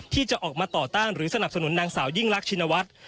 ที่จะออกมาต่อต้านหรือสนับสนุนนางสาวยิ่งรักชินวัฒน์